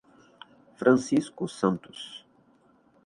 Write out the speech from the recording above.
Francisco Santos